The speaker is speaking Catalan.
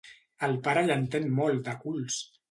El pare hi entén molt, de culs!